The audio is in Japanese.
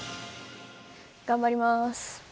頑張ります。